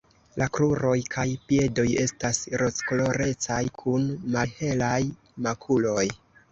La kruroj kaj piedoj estas rozkolorecaj kun malhelaj makuloj.